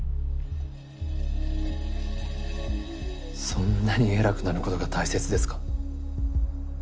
そんなに偉くなることが大切ですか？